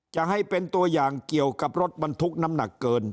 จะให้เป็นตัวอย่างเกี่ยวกับรถบรรทุกน้ำหนักเกิน